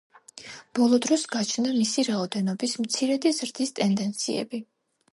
ბოლო დროს გაჩნდა მისი რაოდენობის მცირედი ზრდის ტენდენციები.